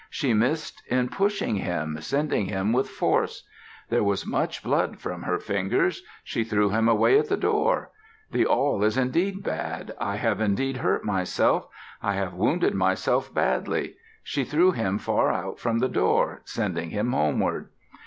She missed in pushing him, sending him with force. There was much blood from her fingers. She threw him away at the door. "The awl is indeed bad. I have indeed hurt myself. I have wounded myself badly." She threw him far out from the door, sending him homeward.